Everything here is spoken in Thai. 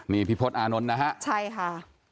นี่พี่พศอานนท์นะฮะใช่ค่ะ